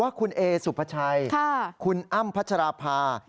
ว่าคุณเอสุภาชัยคุณอ้ำพัชราภา